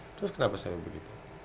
terus kenapa saya begitu